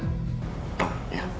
ya makasih ya pak